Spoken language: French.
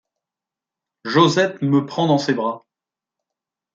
Josette me prend dans ses bras.